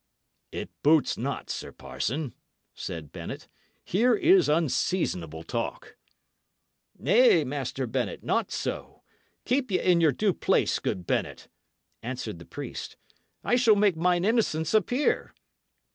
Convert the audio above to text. "It boots not, sir parson," said Bennet. "Here is unseasonable talk." "Nay, Master Bennet, not so. Keep ye in your due place, good Bennet," answered the priest. "I shall make mine innocence appear.